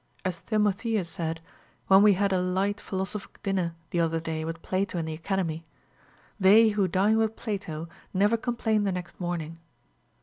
As Timotheus said, when he had had a light philosophic dinner the other day with Plato in the Academy, They who dine with Plato never complain the next morning.